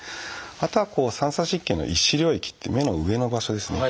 あとは三叉神経の「１枝領域」っていう目の上の場所ですね。